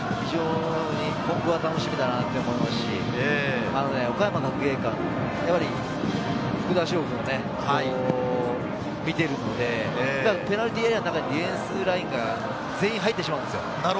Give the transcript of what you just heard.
今後が楽しみだなと思いますし、岡山学芸館は福田師王君を見ているので、ペナルティーエリアの中でディフェンスラインに全員入ってしまうんですよ。